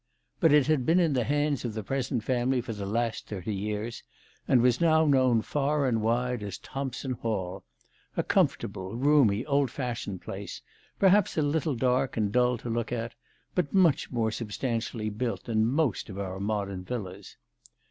But it had been in the hands of the pre sent family for the last thirty years, and was now known far and wide as Thompson Hall, a comfortable, roomy, old fashioned place, perhaps a little dark and dull to look at, but much more substantially built than most of our modern villas.